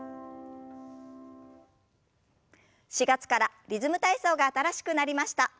４月からリズム体操が新しくなりました。